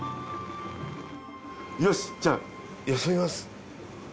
よしじゃあよそいます。